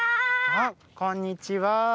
あっこんにちは。